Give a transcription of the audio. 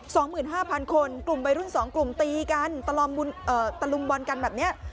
สองหมื่นห้าพันคนกลุ่มวัยรุ่นสองกลุ่มตีกันตะลอมบุญเอ่อตะลุมบอลกันแบบเนี้ย